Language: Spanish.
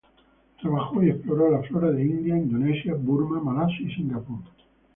Trabajó y exploró la flora de India, Indonesia, Burma, Malasia y Singapur.